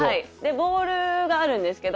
ボールがあるんですけど。